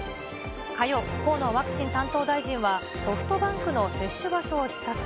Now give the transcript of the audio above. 火曜、河野ワクチン担当大臣は、ソフトバンクの接種場所を視察。